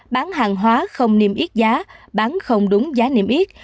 bán hàng hóa không niêm yết giá bán không đúng giá niêm yết